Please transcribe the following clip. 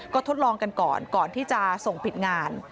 ก็ทดลองกันก่อนก่อนที่จะส่งปิดงาน